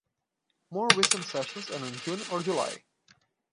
More recent sessions ended in June or July.